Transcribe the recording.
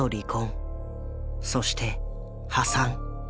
そして破産。